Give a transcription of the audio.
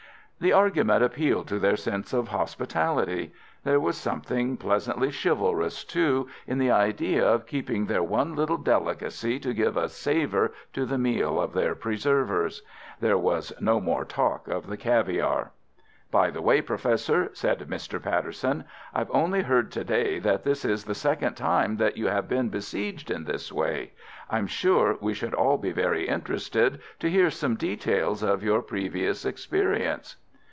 The argument appealed to their sense of hospitality. There was something pleasantly chivalrous, too, in the idea of keeping their one little delicacy to give a savour to the meal of their preservers. There was no more talk of the caviare. "By the way, Professor," said Mr. Patterson, "I've only heard to day that this is the second time that you have been besieged in this way. I'm sure we should all be very interested to hear some details of your previous experience."